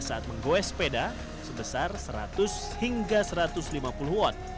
saat menggoes sepeda sebesar seratus hingga satu ratus lima puluh watt